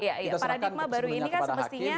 kita serahkan kepesenanya kepada hakim